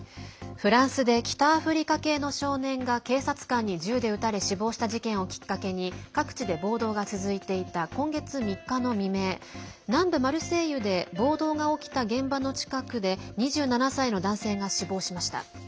フランスで北アフリカ系の少年が警察官に銃で撃たれ死亡した事件をきっかけに各地で暴動が続いていた今月３日の未明南部マルセイユで暴動が起きた現場の近くで２７歳の男性が死亡しました。